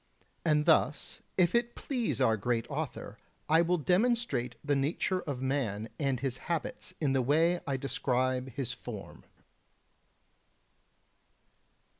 And thus if it please our great author I will demonstrate the nature of man and his habits in the way I describe his form.